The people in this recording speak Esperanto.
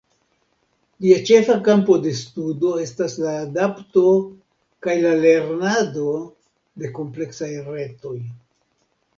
Lia ĉefa kampo de studo estas la adapto kaj la lernado de kompleksaj retoj.